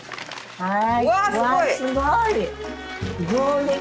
はい。